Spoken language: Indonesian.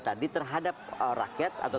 tadi terhadap rakyat atau